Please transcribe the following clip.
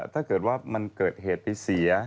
ถ้าเกิดว่ามันเกิดเหตุไปเสีย